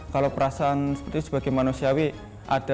kalau perasaan seperti itu sebagai manusiawi ada